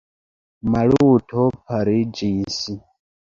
Maluto paliĝis.